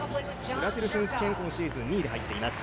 ブラジル選手権は今シーズン２位で入っています。